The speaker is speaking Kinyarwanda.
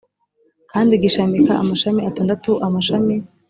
kandi gishamika amashami atandatu amashami